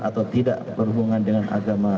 atau tidak berhubungan dengan agama